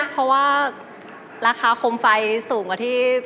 เพราะว่าราคาคมไฟสูงกว่าที่